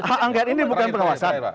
hak angket ini bukan pengawasan